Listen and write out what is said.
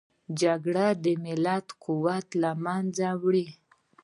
جګړه د ملت قوت له منځه وړي